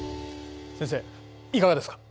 先生いかがですか？